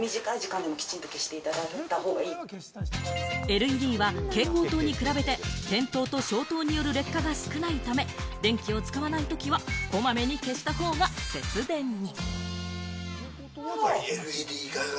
ＬＥＤは蛍光灯に比べて、点灯と消灯による劣化が少ないため、電気を使わないときはこまめに消した方が節電に。